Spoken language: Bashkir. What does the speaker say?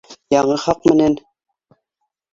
Яңы хаҡ менән